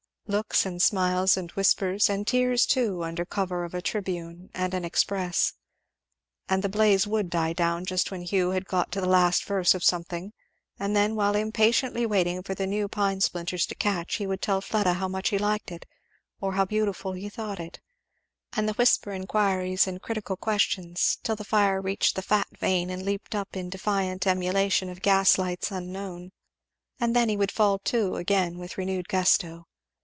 Looks, and smiles, and whispers, and tears too, under cover of a Tribune and an Express. And the blaze would die down just when Hugh had got to the last verse of something, and then while impatiently waiting for the new pine splinters to catch he would tell Fleda how much he liked it, or how beautiful he thought it, and whisper enquiries and critical questions; till the fire reached the fat vein and leaped up in defiant emulation of gas lights unknown, and then he would fall to again with renewed gusto.